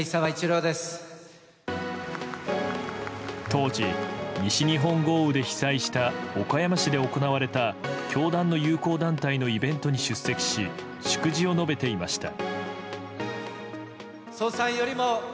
当時、西日本豪雨で被災した岡山市で行われた教団の友好団体のイベントに出席し祝辞を述べていました。